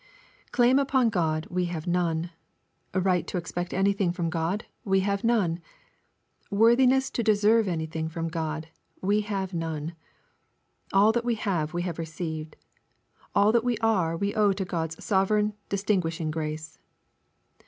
Claim upon God we have none. Right to expect anything from God we have none. Worthiness to de serve anything from God we have none. All that we have we have received^ All that we are we owe to God's sovereign, distinguishing grace.